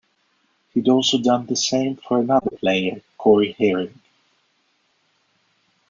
He'd also done the same for another player, Corey Herring.